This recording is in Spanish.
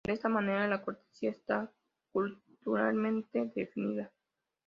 De esta manera la cortesía está culturalmente definida.